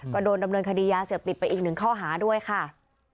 ก็โดนดำเนินคดียาเสพติดไปอีกหนึ่งข้อหาด้วยค่ะ